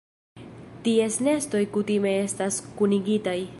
Ties nestoj kutime estas kunigitaj.